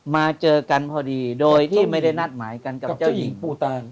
มาเจอกันพอดีโดยที่ไม่ได้นัดหมายกันกับเจ้าหญิงผู้ตาย